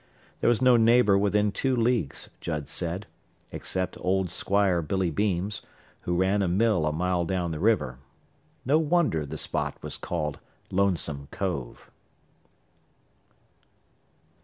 There was no neighbour within two leagues, Judd said, except old Squire Billy Beams, who ran a mill a mile down the river. No wonder the spot was called Lonesome Cove.